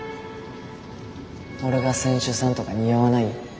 俺が船主さんとか似合わない？